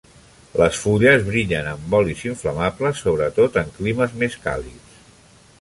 Les fulles brillen amb olis inflamables, sobretot en climes més càlids.